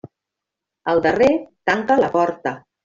El darrer tanca la porta.